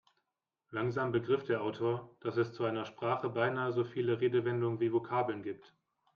Langsam begriff der Autor, dass es zu einer Sprache beinahe so viele Redewendungen wie Vokabeln gibt.